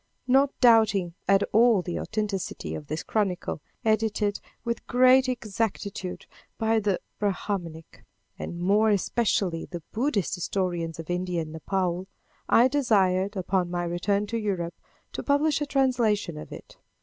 Not doubting at all the authenticity of this chronicle, edited with great exactitude by the Brahminic, and more especially the Buddhistic historians of India and Nepaul, I desired, upon my return to Europe, to publish a translation of it.